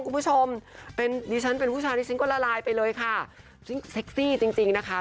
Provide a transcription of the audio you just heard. คุณผู้ชมเป็นดิฉันเป็นผู้ชายดิฉันก็ละลายไปเลยค่ะฉันเซ็กซี่จริงจริงนะคะ